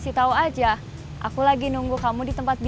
jadi nanti saya akan natasha datang tadi